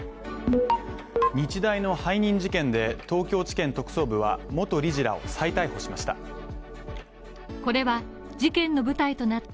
日大の背任事件で、東京地検特捜部は元理事らを再逮捕しました。